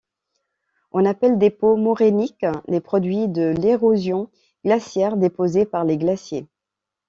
On appelle dépôts morainiques les produits de l'érosion glaciaire déposés par les glaciers.